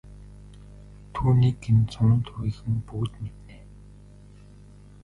Түүнийг нь сумын төвийнхөн бүгд мэднэ.